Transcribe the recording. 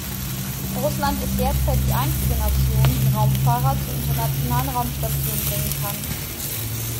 Russland ist derzeit die einzige Nation, die Raumfahrer zur Internationalen Raumstation bringen kann.